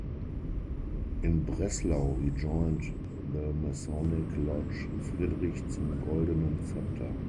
In Breslau he joined the masonic lodge "Friedrich zum goldenen Zepter".